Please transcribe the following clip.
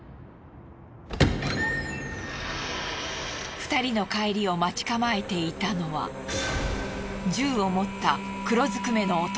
２人の帰りを待ち構えていたのは銃を持った黒ずくめの男。